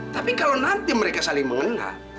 tapi kalau nanti mereka saling mengenal